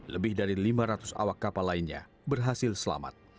lebih dari lima ratus awak kapal lainnya berhasil selamat